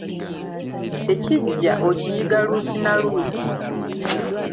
Ekiggya okiyiga luusi na luusi.